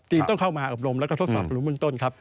จีนต้องเข้ามาอบรมแล้วก็ทดสอบภารุพื้นต้นครับ